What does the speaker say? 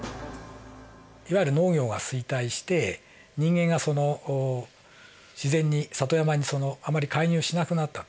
いわゆる農業が衰退して人間が自然に里山にあまり介入しなくなったと。